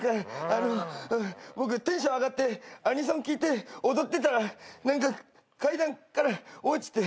あの僕テンション上がってアニソン聴いて踊ってたら何か階段から落ちて。